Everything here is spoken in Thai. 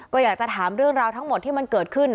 ก็อยากจะถามเรื่องราวทั้งหมดที่มันเกิดขึ้น